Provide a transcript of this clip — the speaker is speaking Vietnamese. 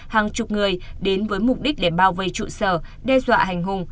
hàng chục người đến với mục đích để bao vây trụ sở đe dọa hành hùng